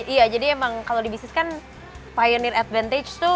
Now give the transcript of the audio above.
iya jadi emang kalau di bisnis kan pionir advantage tuh